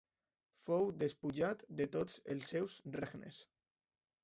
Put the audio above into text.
Fou despullat de tots els seus regnes.